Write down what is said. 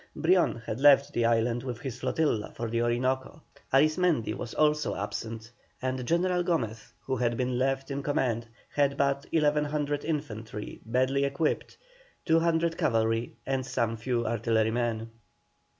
Brion had left the island with his flotilla for the Orinoco. Arismendi was also absent, and General Gomez, who had been left in command, had but 1,100 infantry badly equipped, 200 cavalry, and some few artillerymen.